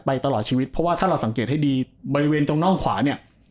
ตลอดชีวิตเพราะว่าถ้าเราสังเกตให้ดีบริเวณตรงน่องขวาเนี่ย